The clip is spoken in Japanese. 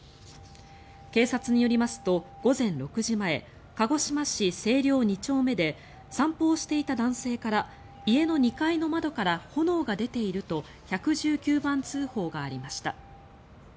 警察によりますと午前６時前鹿児島市西陵２丁目で散歩をしていた男性から家の２階の窓から炎が出ていると１１９番通報がありました。